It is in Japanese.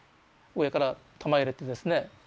上から弾入れてですね。